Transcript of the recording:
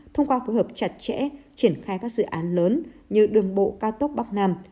thông qua phối hợp chặt chẽ triển khai các dự án lớn như đường bộ cao tốc bắc nam